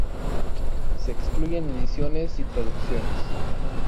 Se excluyen ediciones y traducciones.